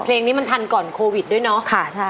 เพลงนี้มันทันก่อนโควิดด้วยเนาะ